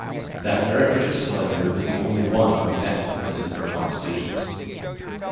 That meretricious splendour was the only one to be met in Mrs Verloc's visions.